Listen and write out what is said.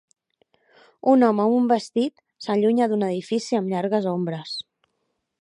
Un home amb un vestit s'allunya d'un edifici amb llargues ombres.